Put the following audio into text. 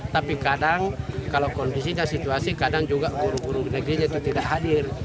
tapi kadang kalau kondisinya situasi kadang juga guru guru negerinya itu tidak hadir